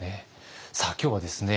さあ今日はですね